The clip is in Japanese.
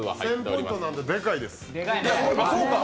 １０００ポイントなんでデカいです。